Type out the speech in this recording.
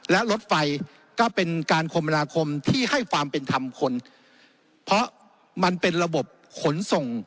และรถไฟก็เป็นการคมนาคมที่ให้ความเป็นธรรมคนเพราะมันเป็นระบบขนส่ง